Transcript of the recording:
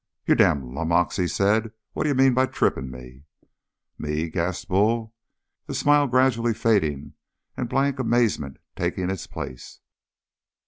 "You damned lummox," he said, "what d'ye mean by tripping me?" "Me?" gasped Bull, the smile gradually fading and blank amazement taking its place.